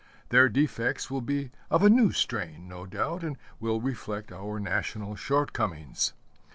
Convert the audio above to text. Their defects will be of a new strain, no doubt, and will reflect our national shortcomings.